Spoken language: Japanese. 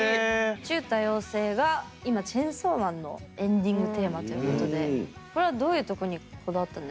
「ちゅ、多様性。」が今「チェンソーマン」のエンディングテーマということでこれはどういうところにこだわったんですか？